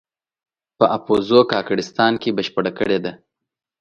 په اپوزو کاکړستان کې بشپړه کړې ده.